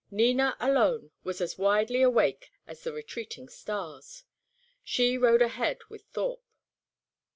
Nina alone was as widely awake as the retreating stars. She rode ahead with Thorpe.